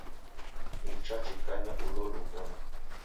Nichachikanya ulo luvuna